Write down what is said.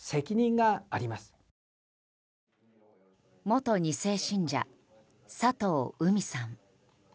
元２世信者、佐藤海さん。